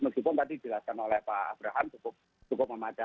meskipun tadi jelasin oleh pak abraham cukup cukup memajukan